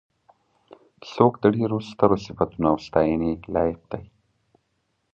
څوک د ډېرو سترو صفتونو او د ستاینې لایق دی.